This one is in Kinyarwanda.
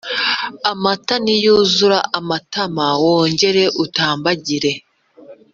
Amata niyuzure amatama, wongere utambagire